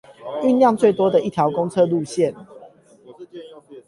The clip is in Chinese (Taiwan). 運量最多的一條公車路線